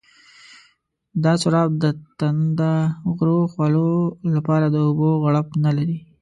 دا سراب د تنده غرو خولو لپاره د اوبو غړپ نه لري.